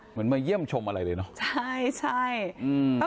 มาเยี่ยมชมอะไรเลยเนอะใช่ใช่อืม